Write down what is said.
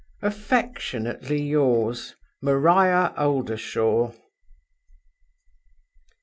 "Affectionately yours, MARIA OLDERSHAW."